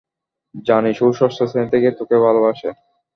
জানিস ও ষষ্ঠ শ্রেণি থেকে তোকে ভালোবাসে?